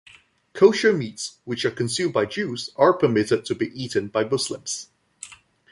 Kosher meats, which are consumed by Jews, are permitted to be eaten by Muslims.